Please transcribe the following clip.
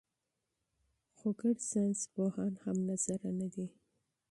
خو ټول ساینسپوهان موافق نه دي.